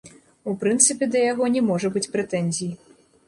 У прынцыпе, да яго не можа быць прэтэнзій.